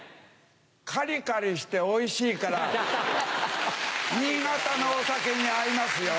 カリカリしておいしいから新潟のお酒に合いますよ。